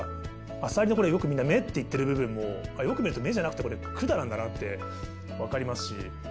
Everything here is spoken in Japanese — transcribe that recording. アサリのよくみんな目っていってる部分もよく見ると目じゃなくてこれ管なんだなって分かりますし。